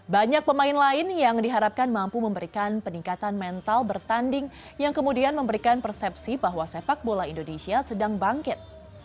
banyak pemain lain yang diharapkan mampu memberikan peningkatan mental bertanding yang kemudian memberikan persepsi bahwa sepak bola indonesia sedang bangkit